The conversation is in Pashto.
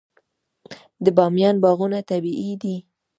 د بامیان باغونه طبیعي دي.